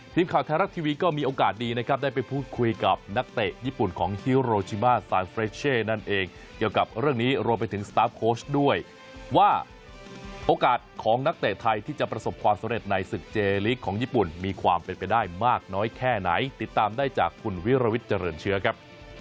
ทีมข่าวไทยรัฐทีวีก็มีโอกาสดีนะครับได้ไปพูดคุยกับนักเตะญี่ปุ่นของฮิโรชิมาซานเฟรชเช่นั่นเองเกี่ยวกับเรื่องนี้รวมไปถึงสตาร์ฟโค้ชด้วยว่าโอกาสของนักเตะไทยที่จะประสบความสำเร็จในศึกเจลีกของญี่ปุ่นมีความเป็นไปได้มากน้อยแค่ไหนติดตามได้จากคุณวิรวิทย์เจริญเชื้อครับ